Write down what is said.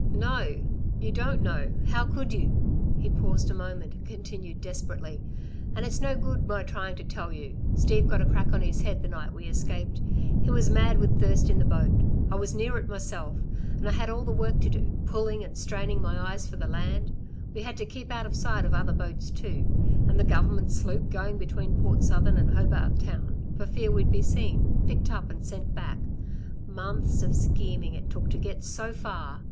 "No, you don't know! How could you?" He paused a moment, and continued desperately: "And it's no good my trying to tell you; Steve got a crack on his head the night we escaped. He was mad with thirst in the boat. I was near it myself ... and I had all the work to do, pulling and straining my eyes for the land. We had to keep out of sight of other boats too, and the Government sloop going between Port Southern and Hobart Town, for fear we'd be seen, picked up and sent back. Months of scheming it took to get so far!